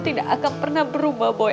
tidak akan pernah berubah boy